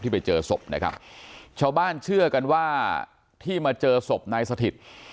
ไปเจอศพนะครับชาวบ้านเชื่อกันว่าที่มาเจอศพนายสถิต